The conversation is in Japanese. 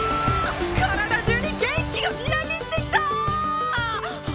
体中に元気がみなぎってきた！